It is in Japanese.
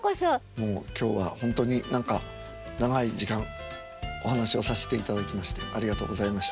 もう今日はほんとに何か長い時間お話をさせていただきましてありがとうございました。